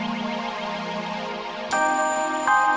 semoga anda sukses untuk tinggal